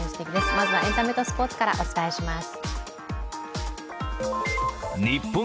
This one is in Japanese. まずはエンタメとスポーツからお伝えします。